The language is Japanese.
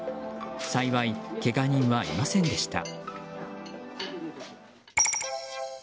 幸い、けが人はいませんでした。